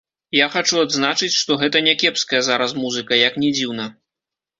Я хачу адзначыць, што гэта някепская зараз музыка, як ні дзіўна.